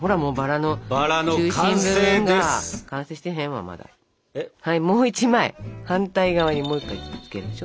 はいもう１枚反対側にもう１回くっつけるでしょ。